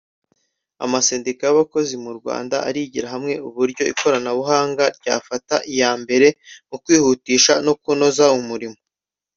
Amasendika y’abakozi mu Rwanda arigira hamwe uburyo ikoranabuhanga ryafata iya mbere mu kwihutisha no kunoza umurimo